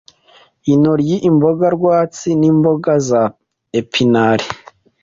intoryi, imboga rwatsi n’imboga za epinari